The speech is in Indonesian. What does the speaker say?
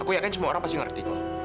aku yakin semua orang pasti ngerti kok